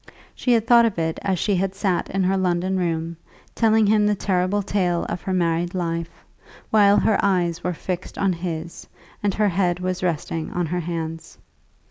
She had thought of it as she had sat in her London room, telling him the terrible tale of her married life, while her eyes were fixed on his and her head was resting on her hands.